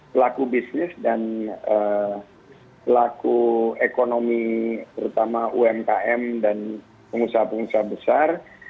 pelaku bisnis dan pelaku ekonomi terutama umkm dan pengusaha pengusaha besar